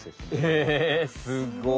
えすごっ。